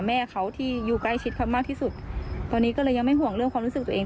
แม่เขาที่อยู่ใกล้ชิดเขามากที่สุดตอนนี้ก็เลยยังไม่ห่วงเรื่องความรู้สึกตัวเอง